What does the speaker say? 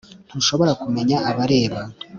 Ntushobora kumenya abareba